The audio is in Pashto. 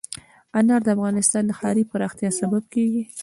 انار د افغانستان د ښاري پراختیا سبب کېږي.